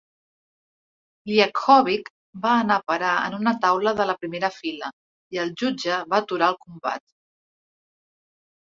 Liakhovich va anar a parar en una taula de la primera fila, i el jutge va aturar el combat.